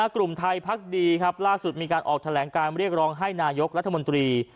กลุ่มไทยพักดีครับล่าสุดมีการออกแถลงการเรียกร้องให้นายกรัฐมนตรี